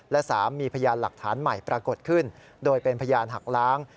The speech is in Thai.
และ๓มีพยานหลักฐานใหม่ปรากฏขึ้นโดยเป็นพยานหักล้าง